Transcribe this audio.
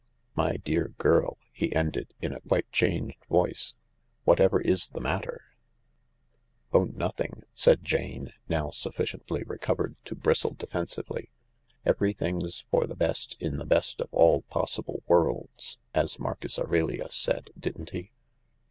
My dear girl," he ended, in a quite changed voice, " whatever is the matter ?" "Oh, nothing," said Jane, now sufficiently recovered to bristle defensively. " Everything's for the best in the best of all possible worlds, as Marcus Aurelius said, didn't he